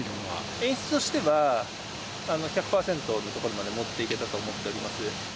演出としては、１００％のところまで持っていけたと思っております。